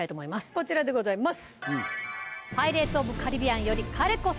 こちらでございます。